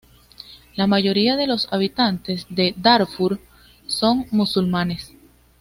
La mayoría de los habitantes de Darfur son musulmanes.